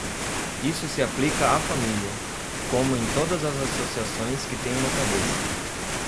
Isso se aplica à família, como em todas as associações que têm uma cabeça.